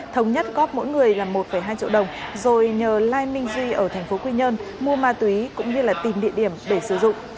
thống nhất góp mỗi người một hai triệu đồng rồi nhờ lai minh duy ở tp quy nhơn mua ma túy cũng như tìm địa điểm để sử dụng